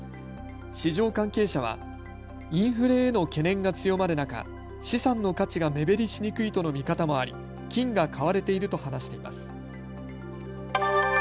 市場関係者はインフレへの懸念が強まる中、資産の価値が目減りしにくいとの見方もあり金が買われていると話しています。